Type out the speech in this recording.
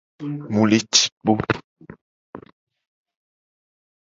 Mu le ci kpo.